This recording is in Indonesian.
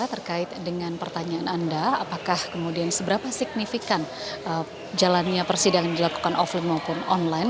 terkait dengan pertanyaan anda apakah kemudian seberapa signifikan jalannya persidangan dilakukan offline maupun online